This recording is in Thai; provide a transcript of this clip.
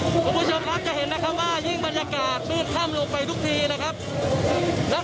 คุณผู้ชมครับจะเห็นนะครับว่ายิ่งบรรยากาศมืดค่ำลงไปทุกทีนะครับ